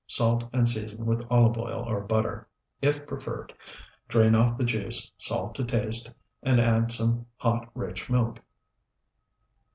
Salt and season with olive oil or butter; if preferred, drain off the juice, salt to taste, and add some hot, rich milk.